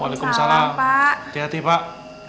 waalaikumsalam hati hati pak